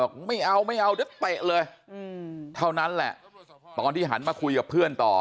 ไม่เอาไม่เอาเดี๋ยวเตะเลยเท่านั้นแหละตอนที่หันมาคุยกับเพื่อนต่อ